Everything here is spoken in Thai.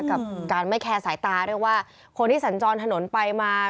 กับการไม่แคร์สายตาเรียกว่าคนที่สัญจรถนนไปมา